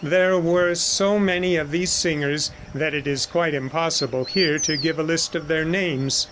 There were so many of these singers that it is quite impossible here to give a list of their names.